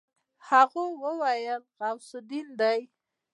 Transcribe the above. هغې وويل غوث الدين دی.